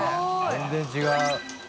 全然違う。